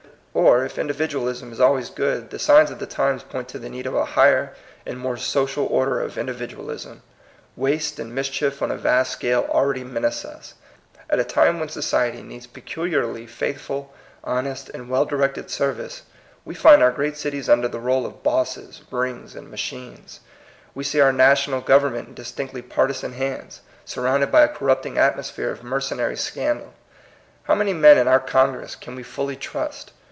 Or, if individualism is always good, the signs of the times point to the need of a higher and more social order of individual ism. Waste and mischief on a vast scale already menace us. At a time when society needs peculiarly faithful, honest, and well directed service, we find our great cities under the rule of "bosses," "rings," and " machines ;" we see our national govern ment in distinctly partisan hands, sur rounded by a corrupting atmosphere of mercenary scandal. How many men in our Congress can we fully trust?